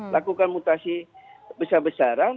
lakukan mutasi besar besaran